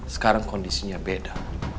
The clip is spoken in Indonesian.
sekarang kondisinya beda